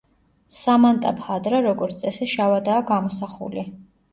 სამანტაბჰადრა, როგორც წესი, შავადაა გამოსახული.